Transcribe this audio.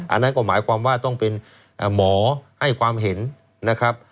อันนั้นก็หมายความว่าต้องเป็นหมอให้ความเห็นนะครับ